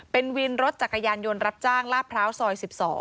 เป็นวินรถจักรยานยนต์รับจ้างลาดพร้าวซอย๑๒